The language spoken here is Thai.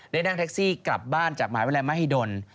ได้นั่งแท็กซี่กลับบ้านจากมหาวิทยาลัยมหิดล